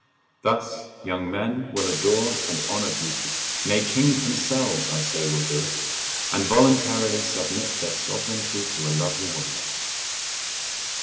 Thus young men will adore and honour beauty; nay kings themselves I say will do it, and voluntarily submit their sovereignty to a lovely woman.